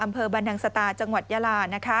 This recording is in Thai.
อำเภอบรรทางสตาจังหวัดยาลา